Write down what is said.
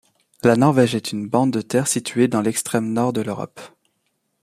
La Norvège est une bande de terre située dans l'extrême nord de l'Europe.